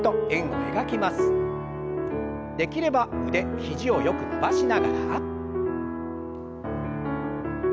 できれば腕肘をよく伸ばしながら。